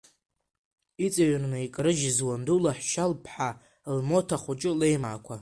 Иҵыҩрны икарыжьыз уанду лаҳәшьаԥҳа лмоҭа хәыҷы леимаақәа?